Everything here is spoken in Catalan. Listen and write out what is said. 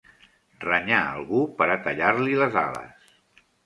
Renyar algú per a tallar-li les ales